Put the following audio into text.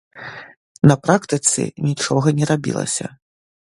На практыцы нічога не рабілася.